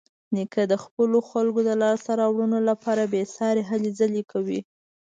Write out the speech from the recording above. نیکه د خپلو خلکو د لاسته راوړنو لپاره بېسارې هلې ځلې کوي.